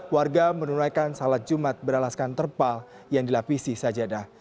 warga menunaikan salat jumat beralaskan terpal yang dilapisi sajadah